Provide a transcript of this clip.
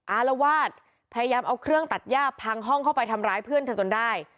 อารวาสพยายามเอาเครื่องตัดย่าพังห้องเข้าไปทำร้ายเพื่อนเธอจนได้